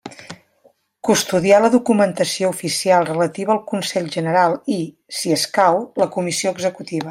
Custodiar la documentació oficial relativa al Consell General i, si escau, la Comissió Executiva.